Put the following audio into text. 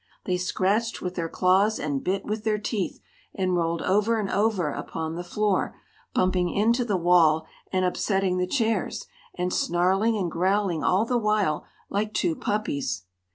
They scratched with their claws and bit with their teeth, and rolled over and over upon the floor, bumping into the wall and upsetting the chairs, and snarling and growling all the while like two puppies.